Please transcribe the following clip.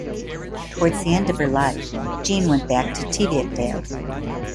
Towards the end of her life, Jean went back to Teviotdale.